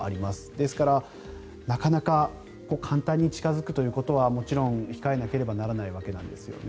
ですから、なかなか簡単に近付くということはもちろん控えなければならないわけなんですよね。